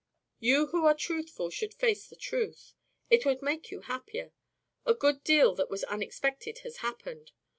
"You who are truthful should face the truth. It would make you happier. A good deal that was unexpected has happened.